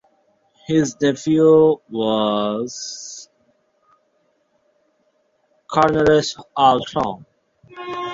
His nephew was Cornelius Allerton.